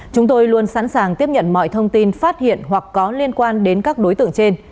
chúng tôi luôn sẵn sàng tiếp nhận mọi thông tin phát hiện hoặc có liên quan đến các đối tượng trên